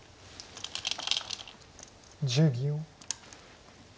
１０秒。